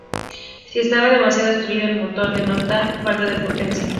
Si está demasiado obstruido, el motor denota falta de potencia.